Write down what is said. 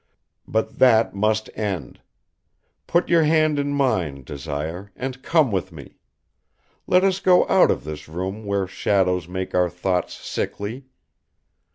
"But that must end. Put your hand in mine, Desire, and come with me. Let us go out of this room where shadows make our thoughts sickly.